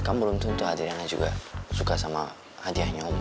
kan belum tentu adriana juga suka sama adiahnya oma